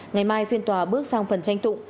ngày mai phiên tòa bước sang phần tranh tụ